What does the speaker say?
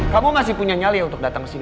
kamu masih punya nyali ya untuk datang ke sini